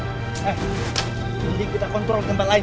eh mending kita kontrol tempat lain